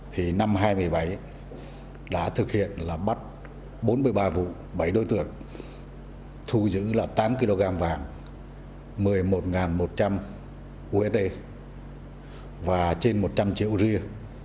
thì năm hai nghìn một mươi bảy đã thực hiện là bắt bốn mươi ba vụ bảy đối tượng thu giữ là tám kg vàng một mươi một một trăm linh usd và trên một trăm linh triệu ri